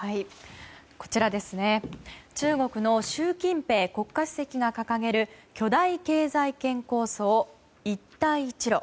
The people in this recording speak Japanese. こちら中国の習近平国家主席が掲げる巨大経済圏構想、一帯一路。